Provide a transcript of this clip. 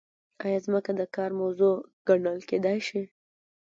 ایا ځمکه د کار موضوع ګڼل کیدای شي؟